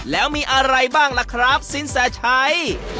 แล้วมีอะไรบ้างล่ะครับสินแสชัย